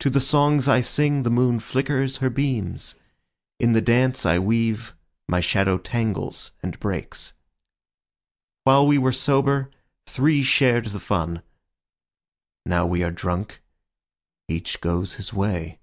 To the songs I sing the moon flickers her beams; In the dance I weave my shadow tangles and breaks. While we were sober, three shared the fun; Now we are drunk, each goes his way.